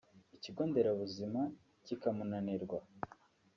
Ikigo Nderabuzima kikamunanirwa